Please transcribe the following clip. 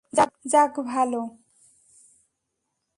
যাক, ভালো।